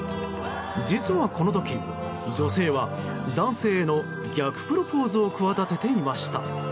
実はこの時、女性は男性への逆プロポーズを企てていました。